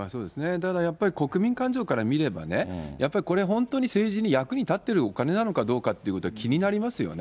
だからやっぱり国民感情から見れば、やっぱりこれ、本当に政治に役に立ってるお金なのかどうかということは気になりますよね。